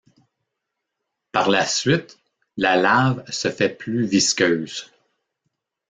Par la suite, la lave se fait plus visqueuse.